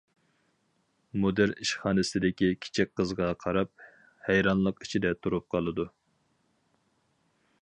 مۇدىر ئىشخانىسىدىكى كىچىك قىزغا قاراپ ھەيرانلىق ئىچىدە تۇرۇپ قالىدۇ.